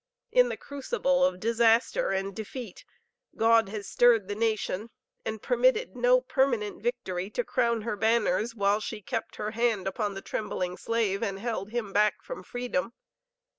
In the crucible of disaster and defeat God has stirred the nation, and permitted no permanent victory to crown her banners while she kept her hand upon the trembling slave and held him back from freedom.